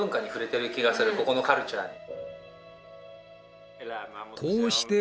ここのカルチャーに。